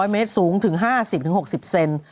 เมตรสูงถึง๕๐๖๐เซน